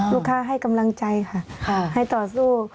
ลูกค้าให้กำลังใจค่ะให้ต่อสู้